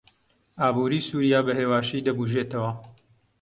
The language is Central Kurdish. ئابووری سووریا بەهێواشی دەبوژێتەوە.